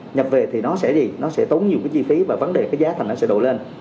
nhập về thì nó sẽ gì nó sẽ tốn nhiều cái chi phí và vấn đề cái giá thành nó sẽ đổ lên